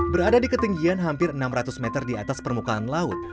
berada di ketinggian hampir enam ratus meter di atas permukaan laut